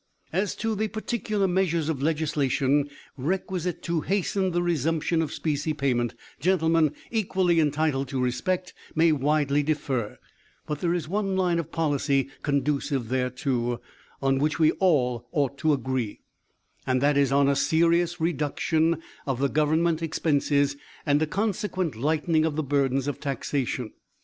"As to the particular measures of legislation requisite to hasten the resumption of specie payment, gentlemen equally entitled to respect may widely differ; but there is one line of policy conducive thereto on which we all ought to agree; and that is on a serious reduction of the government expenses and a consequent lightening of the burdens of taxation.